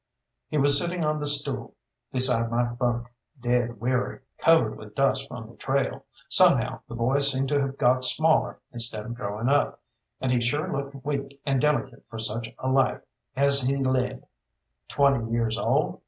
He was sitting on the stool beside my bunk, dead weary, covered with dust from the trail. Somehow the boy seemed to have got smaller instead of growing up, and he sure looked weak and delicate for such a life as he led. Twenty years old?